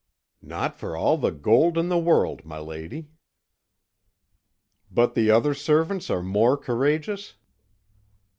"Not for all the gold in the world, my lady." "But the other servants are more courageous?"